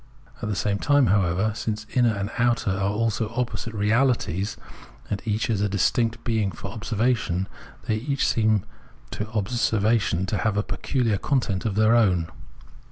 At the same time, however, since inner and outer are also opposite realities and each is a distinct being for observation, they each seem to obser vation to have a peculiar content of their own.